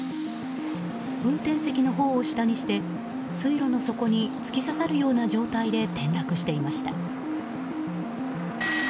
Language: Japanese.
運転席のほうを下にして水路の底に突き刺さるような状態で転落していました。